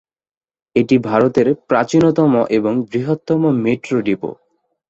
এটি ভারতের প্রাচীনতম এবং বৃহত্তম মেট্রো ডিপো।